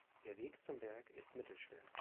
Der Weg zum Berg ist mittelschwer.